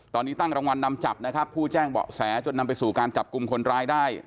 ตอนนี้ตั้งรางวัลนำจับนะครับผู้แจ้งเบาะแสจนนำไปสู่การจับกลุ่มคนร้ายได้